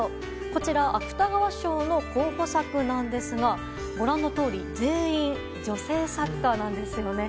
こちら芥川賞の候補作なんですがご覧のとおり全員女性作家なんですよね。